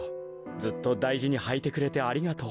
ずっとだいじにはいてくれてありがとう。